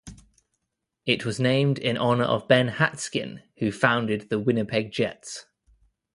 It was named in honour of Ben Hatskin, who founded the Winnipeg Jets.